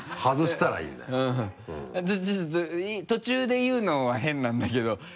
ちょっと途中で言うのは変なんだけど。